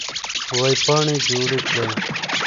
وېبپاڼې جوړې کړئ.